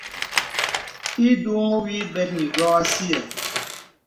Ìdùŋùhə wì bɛt nə yô asìɛ.